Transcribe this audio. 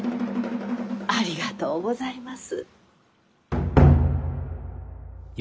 ありがとうございます。